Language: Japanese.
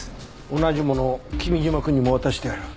同じものを君嶋くんにも渡してある。